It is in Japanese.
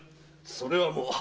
それはもう。